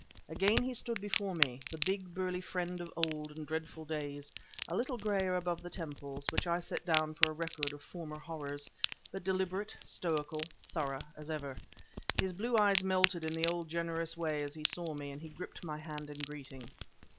Again he stood before me, the big, burly friend of old and dreadful days, a little grayer above the temples, which I set down for a record of former horrors, but deliberate, stoical, thorough, as ever. His blue eyes melted in the old generous way as he saw me, and he gripped my hand in greeting.